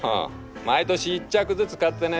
毎年１着ずつ買ってね